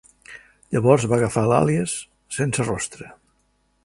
Llavors, va agafar l"àlies "Sense rostre".